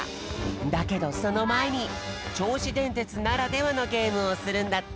だけどそのまえにちょうしでんてつならではのゲームをするんだって。